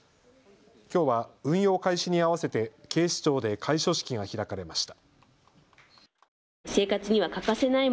きょうは運用開始に合わせて警視庁で開所式が開かれました。